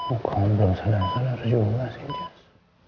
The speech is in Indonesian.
oh kamu belum sadar sadar juga sih jas